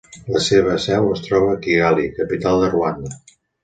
La seva seu es troba a Kigali, capital de Ruanda.